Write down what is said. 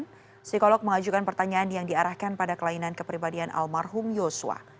psikolog mengajukan pertanyaan yang diarahkan pada kelainan kepribadian almarhum yosua